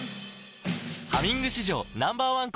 「ハミング」史上Ｎｏ．１抗菌